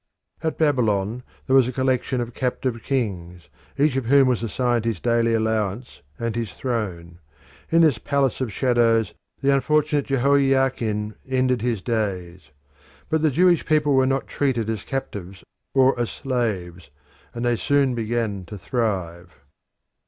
At Babylon there was a collection of captive kings, each of whom was assigned his daily allowance and his throne. In this palace of shadows the unfortunate Jehoiachin ended his days. But the Jewish people were not treated as captives or as slaves, and they soon began to thrive.